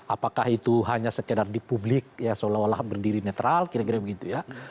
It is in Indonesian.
apakah itu hanya sekedar di publik ya seolah olah berdiri netral kira kira begitu ya